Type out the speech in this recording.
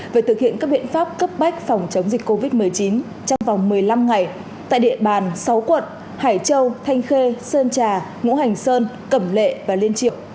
về thực hiện các biện pháp cấp bách phòng chống dịch covid một mươi chín trong vòng một mươi năm ngày tại địa bàn sáu quận hải châu thanh khê sơn trà ngũ hành sơn cẩm lệ và liên triểu